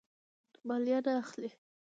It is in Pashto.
مالیه نه اخلي.